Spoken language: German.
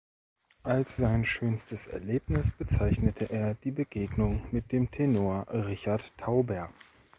Als sein schönstes Erlebnis bezeichnete er die Begegnung mit dem Tenor Richard Tauber.